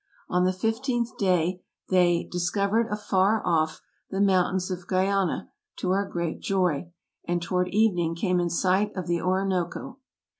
On the fifteenth day they " discovered afar off the mountains of Guiana, to our great joy, '' and toward even ing, came in sight of the Orinoco.